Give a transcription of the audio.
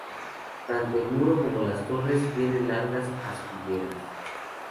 Tanto el muro como las torres tienen largas aspilleras.